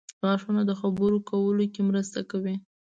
• غاښونه د خبرو کولو کې مرسته کوي.